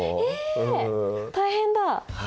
え大変だ！